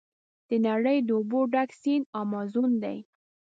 د نړۍ د اوبو ډک سیند امازون دی.